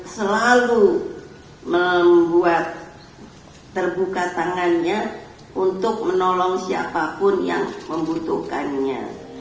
selalu membuat terbuka tangannya untuk menolong siapapun yang membutuhkannya